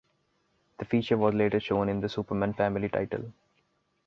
The feature was later shown in the "Superman Family" title.